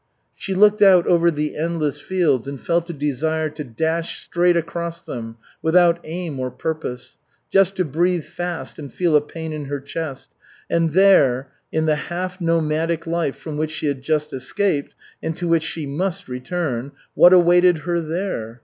She looked out over the endless fields and felt a desire to dash straight across them, without aim or purpose, just to breathe fast and feel a pain in her chest. And there, in the half nomadic life from which she had just escaped and to which she must return what awaited her there?